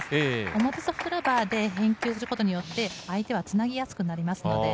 表ソフトラバーで返球することによって、相手はつなぎやすくなります。